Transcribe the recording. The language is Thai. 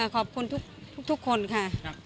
ขอบคุณทุกคนค่ะ